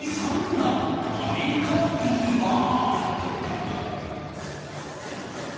なアメリカビーバー。